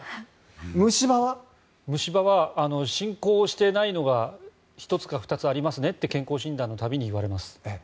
虫歯は進行していないのが１つか２つありますねと健康診断の度に言われます。